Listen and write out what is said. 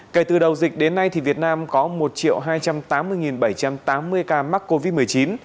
kể từ đầu dịch đến nay việt nam có một hai trăm tám mươi bảy trăm tám mươi ca mắc covid một mươi chín